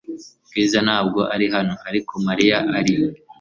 Bwiza ntabwo ari hano, ariko Mariya ari .